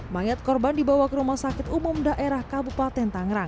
mayat korban dibawa ke rumah sakit umum daerah kabupaten tangerang